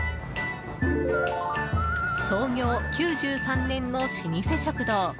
創業９３年の老舗食堂。